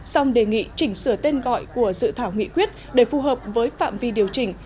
xong đề nghị chỉnh sửa tên gọi của dự thảo nghị quyết để phù hợp với phạm vi điều chỉnh